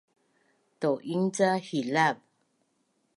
tau’ing ca hilav